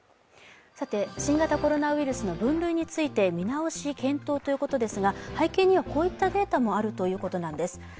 新型コロナウイルスの分類について見直し検討ということですが背景にはこういったデータもあるということなんです。